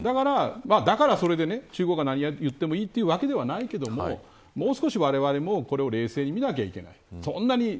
だからそれで、中国は何をやってもいいというわけではありませんがわれわれも、これを冷静に見ないといけません。